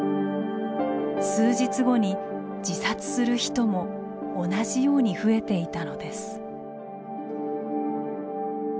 数日後に自殺する人も同じように増えていたのです。